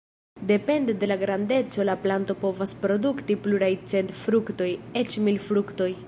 Depende de la grandeco la planto povas produkti pluraj cent fruktoj, eĉ mil fruktoj.